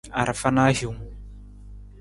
Arafa na hiwung.